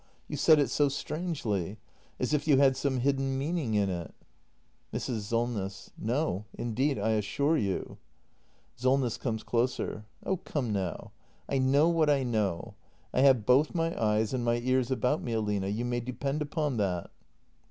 You said it so strangely — as if you had some hidden meaning in it. Mrs. Solness. No, indeed, I assure you Solness. [Comes closer.] Oh, come now — I know what I know. I have both my eyes and my ears about me, Aline — you may depend upon that!